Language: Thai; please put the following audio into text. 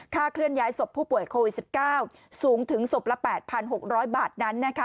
เคลื่อนย้ายศพผู้ป่วยโควิด๑๙สูงถึงศพละ๘๖๐๐บาทนั้นนะคะ